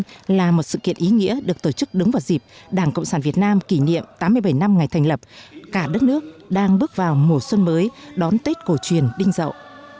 đây là một sự kiện ý nghĩa được tổ chức đúng vào dịp đảng cộng sản việt nam kỷ niệm tám mươi bảy năm ngày thành lập cả đất nước đang bước vào mùa xuân mới đón tết cổ truyền đinh rậu